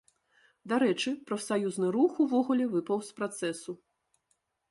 Дарэчы, прафсаюзны рух увогуле выпаў з працэсу.